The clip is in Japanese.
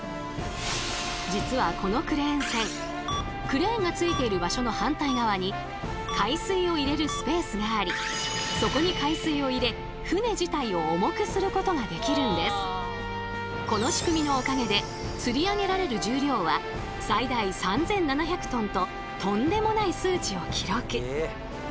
実はこのクレーン船クレーンがついている場所の反対側に海水を入れるスペースがありそこにこの仕組みのおかげで吊り上げられる重量は最大３，７００ｔととんでもない数値を記録！